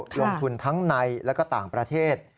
รวมคุณทั้งในแล้วก็ต่างประเทศ